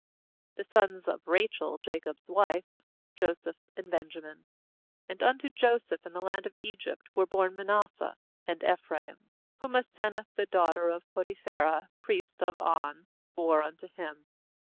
19The sons of Rachel Jacob's wife: Joseph and Benjamin. 20And unto Joseph in the land of Egypt were born Ma nasseh and Ephraim, whom Asenath the daughter of Poti phera priest of On bore unto him.